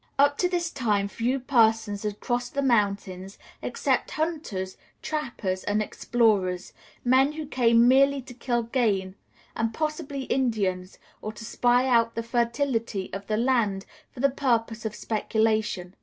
Up to this time few persons had crossed the mountains except hunters, trappers, and explorers men who came merely to kill game, and possibly Indians, or to spy out the fertility of the land for the purpose of speculation.